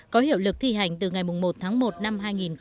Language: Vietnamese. có hiệu lực thi hành từ ngày một tháng một năm hai nghìn hai mươi